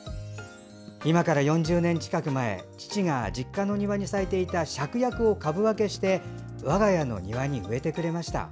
今から４０年近く前父が実家の庭に咲いていたしゃくやくを株分けして我が家の庭に植えてくれました。